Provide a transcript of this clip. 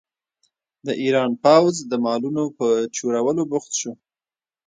د ایران پوځ د مالونو په چورولو بوخت شو.